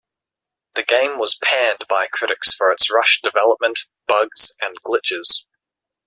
The game was panned by critics for its rushed development, bugs and glitches.